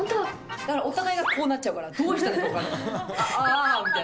だからお互いがこうなっちゃうから、どうしたらいいか分からない。